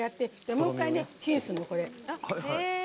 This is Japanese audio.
もう１回、チンするの、これ。